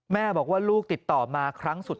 แม่บอกว่าลูกติดต่อมาครั้งสุด